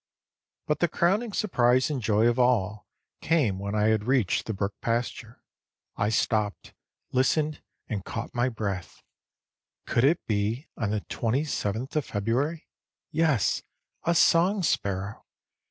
But the crowning surprise and joy of all came when I had reached the brook pasture. I stopped, listened and caught my breath; could it be on the 27th of February? Yes, a song sparrow!